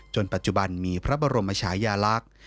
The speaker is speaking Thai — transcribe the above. ปัจจุบันมีพระบรมชายาลักษณ์